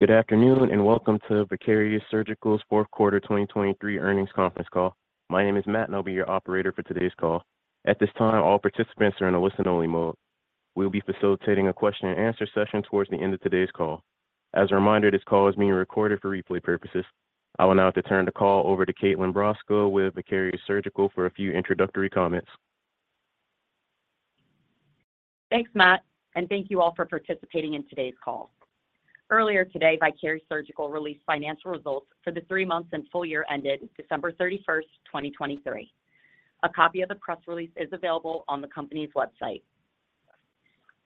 Good afternoon, and welcome to Vicarious Surgical's Fourth Quarter 2023 Earnings Conference Call. My name is Matt, and I'll be your operator for today's call. At this time, all participants are in a listen-only mode. We'll be facilitating a question and answer session toward the end of today's call. As a reminder, this call is being recorded for replay purposes. I will now turn the call over to Kaitlyn Brosco with Vicarious Surgical for a few introductory comments. Thanks, Matt, and thank you all for participating in today's call. Earlier today, Vicarious Surgical released financial results for the three months and full year ended December 31st, 2023. A copy of the press release is available on the company's website.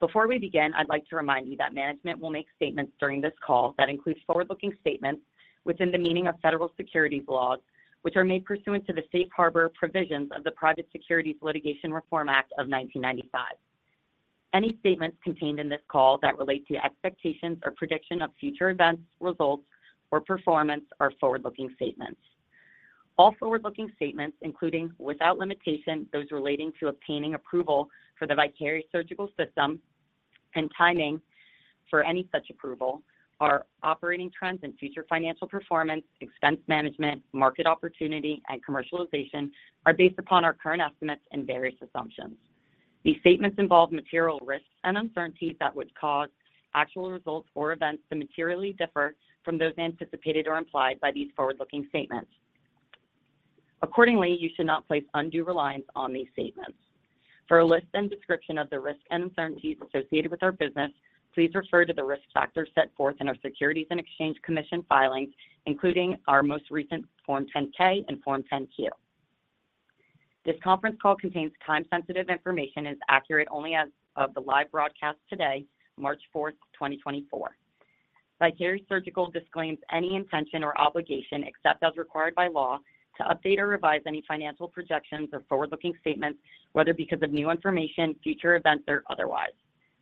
Before we begin, I'd like to remind you that management will make statements during this call that includes forward-looking statements within the meaning of federal securities laws, which are made pursuant to the Safe Harbor provisions of the Private Securities Litigation Reform Act of 1995. Any statements contained in this call that relate to expectations or prediction of future events, results, or performance are forward-looking statements. All forward-looking statements, including, without limitation, those relating to obtaining approval for the Vicarious Surgical System and timing for any such approval, are operating trends and future financial performance, expense management, market opportunity, and commercialization are based upon our current estimates and various assumptions. These statements involve material risks and uncertainties that would cause actual results or events to materially differ from those anticipated or implied by these forward-looking statements. Accordingly, you should not place undue reliance on these statements. For a list and description of the risks and uncertainties associated with our business, please refer to the risk factors set forth in our Securities and Exchange Commission filings, including our most recent Form 10-K and Form 10-Q. This conference call contains time-sensitive information and is accurate only as of the live broadcast today, March 4, 2024. Vicarious Surgical disclaims any intention or obligation, except as required by law, to update or revise any financial projections or forward-looking statements, whether because of new information, future events, or otherwise.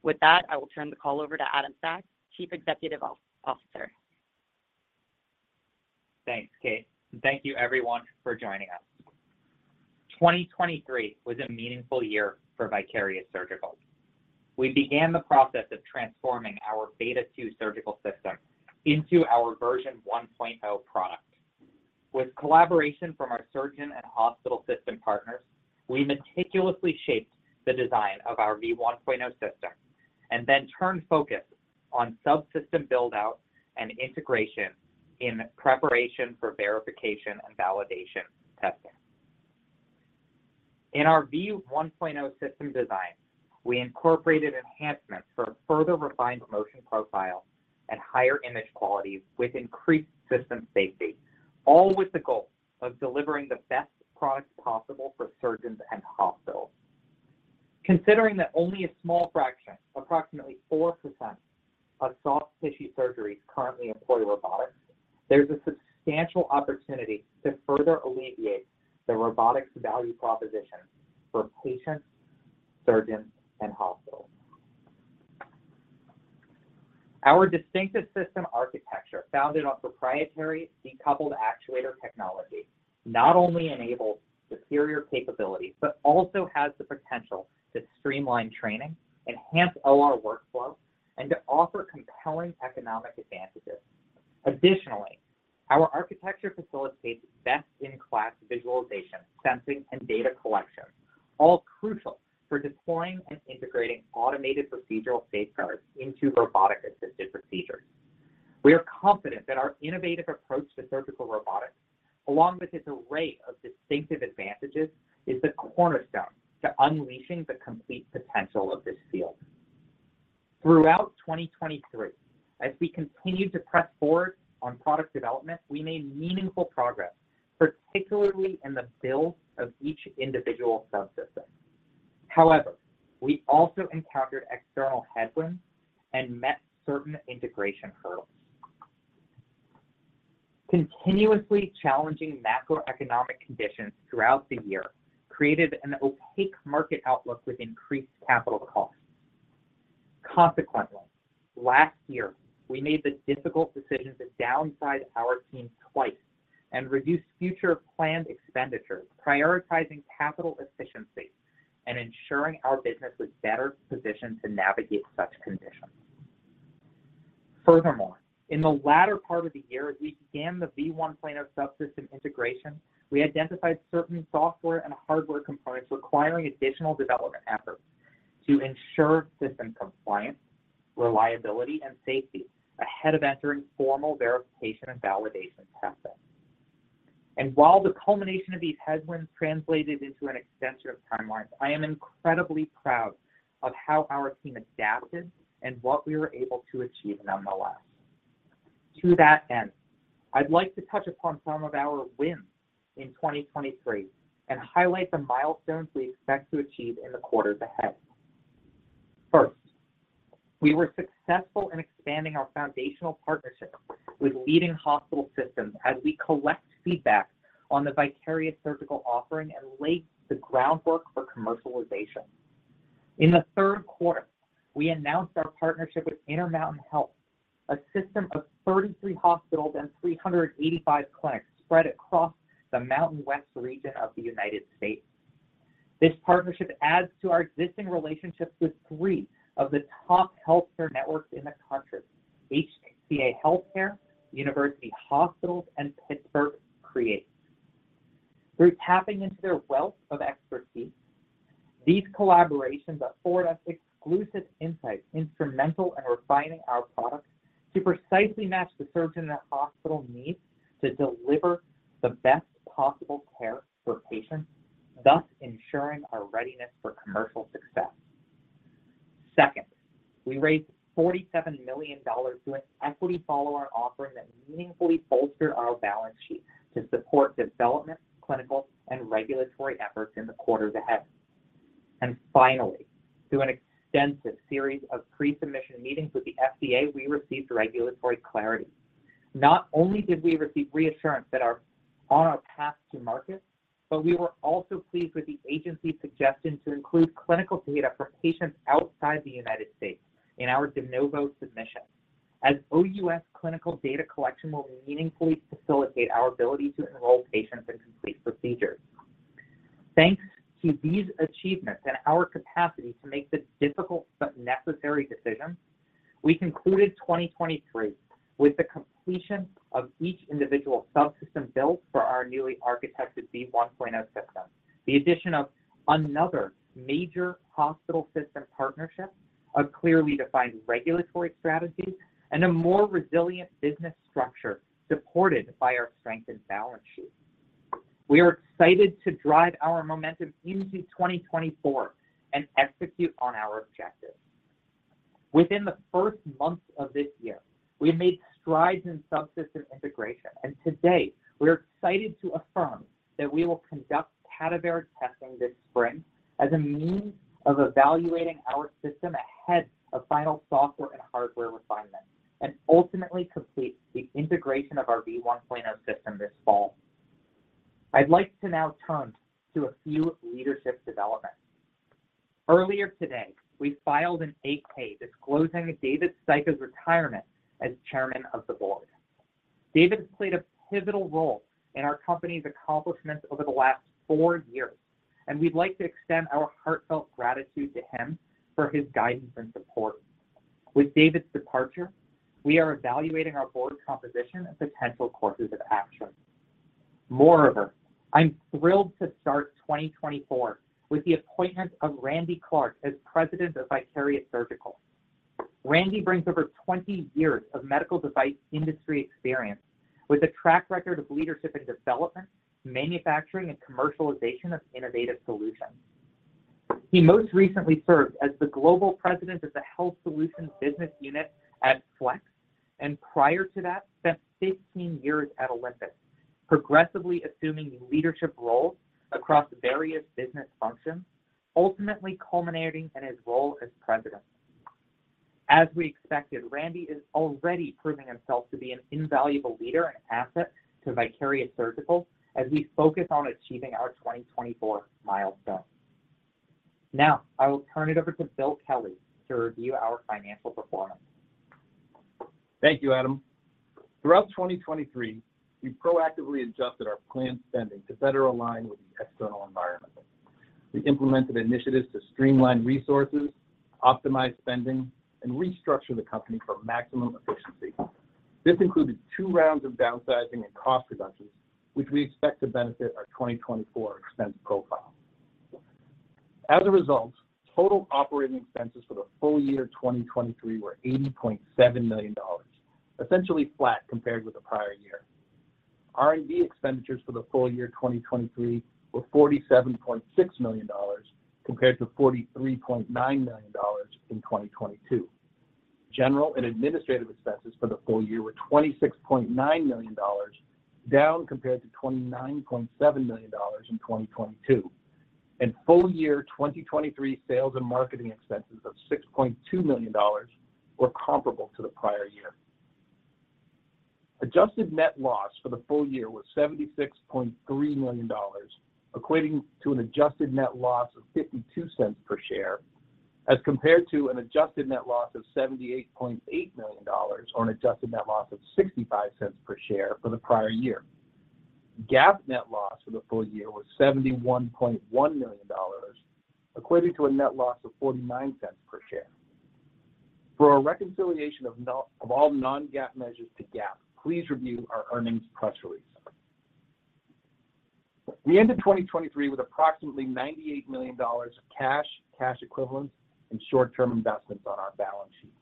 With that, I will turn the call over to Adam Sachs, Chief Executive Officer. Thanks, Kate, and thank you everyone for joining us. 2023 was a meaningful year for Vicarious Surgical. We began the process of transforming our Beta 2 surgical system into our version 1.0 product. With collaboration from our surgeon and hospital system partners, we meticulously shaped the design of our V1.0 system and then turned focus on subsystem build-out and integration in preparation for verification and validation testing. In our V1.0 system design, we incorporated enhancements for a further refined motion profile and higher image quality with increased system safety, all with the goal of delivering the best product possible for surgeons and hospitals. Considering that only a small fraction, approximately 4% of soft tissue surgeries currently employ robotics, there's a substantial opportunity to further alleviate the robotics value proposition for patients, surgeons, and hospitals. Our distinctive system architecture, founded on proprietary decoupled actuator technology, not only enables superior capabilities, but also has the potential to streamline training, enhance OR workflow, and to offer compelling economic advantages. Additionally, our architecture facilitates best-in-class visualization, sensing, and data collection, all crucial for deploying and integrating automated procedural safeguards into robotic-assisted procedures. We are confident that our innovative approach to surgical robotics, along with its array of distinctive advantages, is the cornerstone to unleashing the complete potential of this field. Throughout 2023, as we continued to press forward on product development, we made meaningful progress, particularly in the build of each individual subsystem. However, we also encountered external headwinds and met certain integration hurdles. Continuously challenging macroeconomic conditions throughout the year created an opaque market outlook with increased capital costs. Consequently, last year, we made the difficult decision to downsize our team twice and reduce future planned expenditures, prioritizing capital efficiency and ensuring our business was better positioned to navigate such conditions. Furthermore, in the latter part of the year, as we began the V1.0 subsystem integration, we identified certain software and hardware components requiring additional development efforts to ensure system compliance, reliability, and safety ahead of entering formal verification and validation testing. And while the culmination of these headwinds translated into an extension of timelines, I am incredibly proud of how our team adapted and what we were able to achieve nonetheless. To that end, I'd like to touch upon some of our wins in 2023 and highlight the milestones we expect to achieve in the quarters ahead. First, we were successful in expanding our foundational partnerships with leading hospital systems as we collect feedback on the Vicarious Surgical offering and lay the groundwork for commercialization. In the third quarter, we announced our partnership with Intermountain Health, a system of 33 hospitals and 385 clinics spread across the Mountain West region of the United States.... This partnership adds to our existing relationships with three of the top healthcare networks in the country: HCA Healthcare, University Hospitals, and UPMC. Through tapping into their wealth of expertise, these collaborations afford us exclusive insights, instrumental in refining our products to precisely match the surgeon and hospital needs to deliver the best possible care for patients, thus ensuring our readiness for commercial success. Second, we raised $47 million in an equity follow-on offering that meaningfully bolstered our balance sheet to support development, clinical, and regulatory efforts in the quarters ahead. Finally, through an extensive series of Pre-submission meetings with the FDA, we received regulatory clarity. Not only did we receive reassurance that we are on our path to market, but we were also pleased with the agency's suggestion to include clinical data from patients outside the United States in our De Novo submission, as OUS clinical data collection will meaningfully facilitate our ability to enroll patients in complete procedures. Thanks to these achievements and our capacity to make this difficult but necessary decision, we concluded 2023 with the completion of each individual subsystem built for our newly architected V1.0 system, the addition of another major hospital system partnership, a clearly defined regulatory strategy, and a more resilient business structure supported by our strengthened balance sheet. We are excited to drive our momentum into 2024 and execute on our objectives. Within the first months of this year, we made strides in subsystem integration, and today we are excited to affirm that we will conduct cadaveric testing this spring as a means of evaluating our system ahead of final software and hardware refinement, and ultimately complete the integration of our V1.0 system this fall. I'd like to now turn to a few leadership developments. Earlier today, we filed an 8-K disclosing David Styka's retirement as chairman of the board. David has played a pivotal role in our company's accomplishments over the last 4 years, and we'd like to extend our heartfelt gratitude to him for his guidance and support. With David's departure, we are evaluating our board composition and potential courses of action. Moreover, I'm thrilled to start 2024 with the appointment of Randy Clark as President of Vicarious Surgical. Randy brings over 20 years of medical device industry experience with a track record of leadership and development, manufacturing, and commercialization of innovative solutions. He most recently served as the Global President of the Health Solutions business unit at Flex, and prior to that, spent 16 years at Olympus, progressively assuming leadership roles across various business functions, ultimately culminating in his role as president. As we expected, Randy is already proving himself to be an invaluable leader and asset to Vicarious Surgical as we focus on achieving our 2024 milestones. Now, I will turn it over to Bill Kelly to review our financial performance. Thank you, Adam. Throughout 2023, we proactively adjusted our planned spending to better align with the external environment. We implemented initiatives to streamline resources, optimize spending, and restructure the company for maximum efficiency. This included two rounds of downsizing and cost reductions, which we expect to benefit our 2024 expense profile. As a result, total operating expenses for the full year 2023 were $80.7 million, essentially flat compared with the prior year. R&D expenditures for the full year 2023 were $47.6 million, compared to $43.9 million in 2022. General and administrative expenses for the full year were $26.9 million, down compared to $29.7 million in 2022. Full year 2023 sales and marketing expenses of $6.2 million were comparable to the prior year. Adjusted net loss for the full year was $76.3 million, equating to an adjusted net loss of $0.52 per share, as compared to an adjusted net loss of $78.8 million, or an adjusted net loss of $0.65 per share for the prior year. GAAP net loss for the full year was $71.1 million, equating to a net loss of $0.49 per share. For a reconciliation of non-GAAP measures to GAAP, please review our earnings press release. We ended 2023 with approximately $98 million of cash, cash equivalents, and short-term investments on our balance sheet.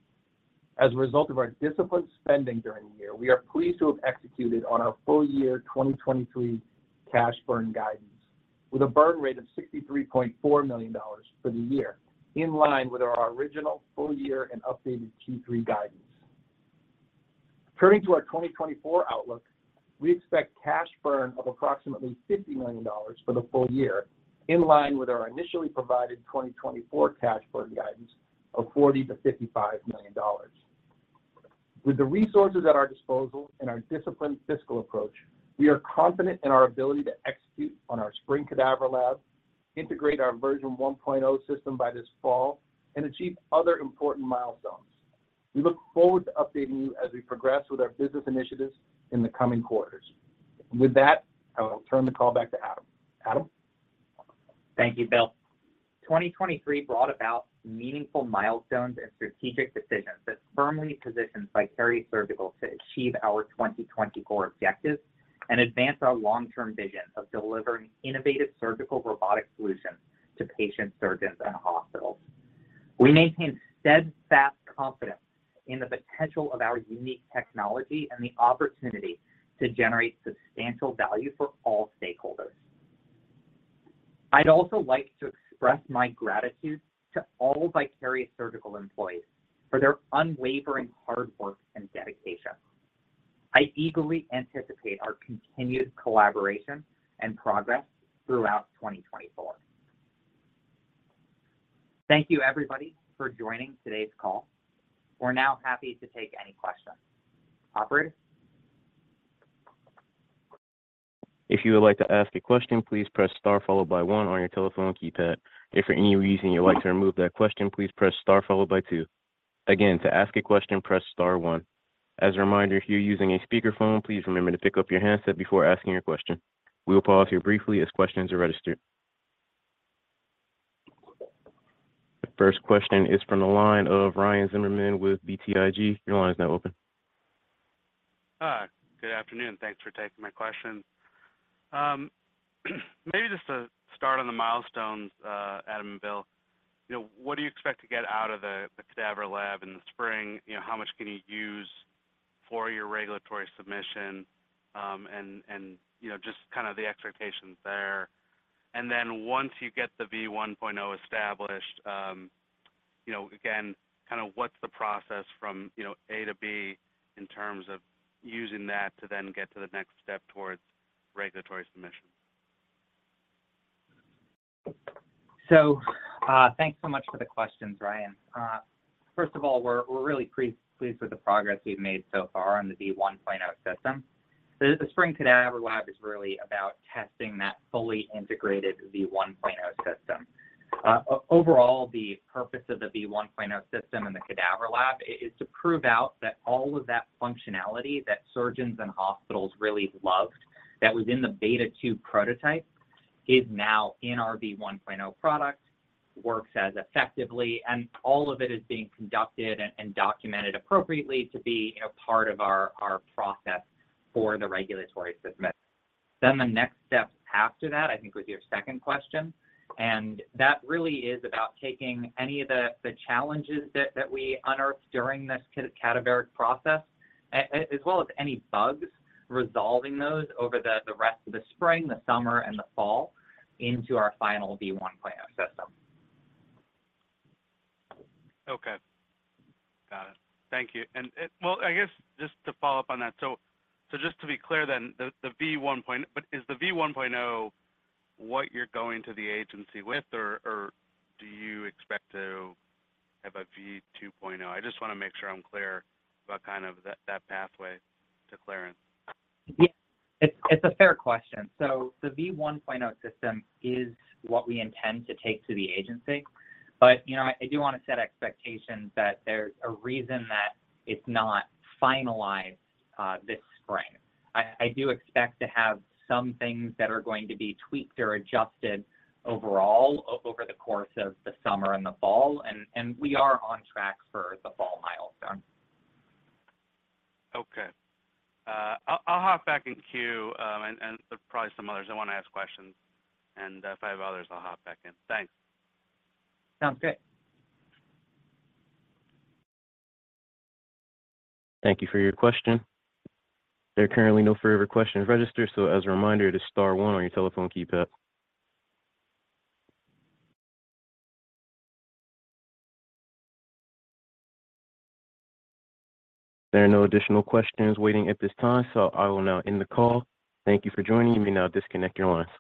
As a result of our disciplined spending during the year, we are pleased to have executed on our full year 2023 cash burn guidance, with a burn rate of $63.4 million for the year, in line with our original full year and updated Q3 guidance. Turning to our 2024 outlook, we expect cash burn of approximately $50 million for the full year, in line with our initially provided 2024 cash burn guidance of $40 million-$55 million. With the resources at our disposal and our disciplined fiscal approach, we are confident in our ability to execute on our spring cadaver lab, integrate our Version 1.0 system by this fall, and achieve other important milestones.... We look forward to updating you as we progress with our business initiatives in the coming quarters. With that, I will turn the call back to Adam. Adam? Thank you, Bill. 2023 brought about meaningful milestones and strategic decisions that firmly position Vicarious Surgical to achieve our 2024 objectives and advance our long-term vision of delivering innovative surgical robotic solutions to patients, surgeons, and hospitals. We maintain steadfast confidence in the potential of our unique technology and the opportunity to generate substantial value for all stakeholders. I'd also like to express my gratitude to all Vicarious Surgical employees for their unwavering hard work and dedication. I eagerly anticipate our continued collaboration and progress throughout 2024. Thank you, everybody, for joining today's call. We're now happy to take any questions. Operator? If you would like to ask a question, please press star followed by one on your telephone keypad. If for any reason you'd like to remove that question, please press star followed by two. Again, to ask a question, press star one. As a reminder, if you're using a speakerphone, please remember to pick up your handset before asking your question. We will pause here briefly as questions are registered. The first question is from the line of Ryan Zimmerman with BTIG. Your line is now open. Hi. Good afternoon. Thanks for taking my question. Maybe just to start on the milestones, Adam and Bill, you know, what do you expect to get out of the cadaver lab in the spring? You know, how much can you use for your regulatory submission? And you know, just kind of the expectations there. And then once you get the V1.0 established, you know, again, kind of what's the process from, you know, A to B in terms of using that to then get to the next step towards regulatory submission? So, thanks so much for the questions, Ryan. First of all, we're really pleased with the progress we've made so far on the V1.0 system. The spring cadaver lab is really about testing that fully integrated V1.0 system. Overall, the purpose of the V1.0 system in the cadaver lab is to prove out that all of that functionality that surgeons and hospitals really loved, that was in the Beta 2 prototype, is now in our V1.0 product, works as effectively, and all of it is being conducted and documented appropriately to be, you know, part of our process for the regulatory submission. Then the next step after that, I think, was your second question, and that really is about taking any of the challenges that we unearthed during this cadaveric process, as well as any bugs, resolving those over the rest of the spring, the summer, and the fall into our final V1.0 system. Okay. Got it. Thank you. And, well, I guess just to follow up on that, so just to be clear then, the V1.0, but is the V1.0 what you're going to the agency with, or do you expect to have a V2.0? I just wanna make sure I'm clear about kind of that pathway to clearance. Yeah, it's a fair question. So the V1.0 system is what we intend to take to the agency, but, you know, I do wanna set expectations that there's a reason that it's not finalized this spring. I do expect to have some things that are going to be tweaked or adjusted overall, over the course of the summer and the fall, and we are on track for the fall milestone. Okay. I'll hop back in queue, and there are probably some others that want to ask questions, and if I have others, I'll hop back in. Thanks. Sounds good. Thank you for your question. There are currently no further questions registered, so as a reminder, it is star one on your telephone keypad. There are no additional questions waiting at this time, so I will now end the call. Thank you for joining. You may now disconnect your lines.